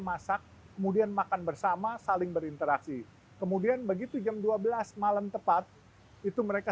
masak kemudian makan bersama saling berinteraksi kemudian begitu jam dua belas malam tepat itu mereka